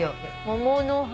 桃の花。